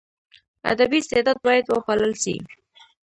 ادبي استعداد باید وپالل سي.